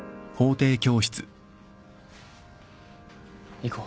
行こう。